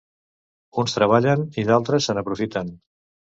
Uns treballen, i d'altres se n'aprofiten.